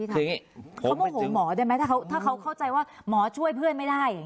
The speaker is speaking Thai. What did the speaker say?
เขาโมโหหมอได้ไหมถ้าเขาเข้าใจว่าหมอช่วยเพื่อนไม่ได้